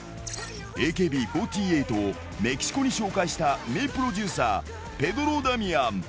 ＡＫＢ４８をメキシコに紹介した名プロデューサー、ペドロ・ダミアン。